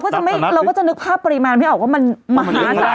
แต่เราก็จะนึกค่าปริมาณไม่ออกว่ามันมหาศาลก็ได้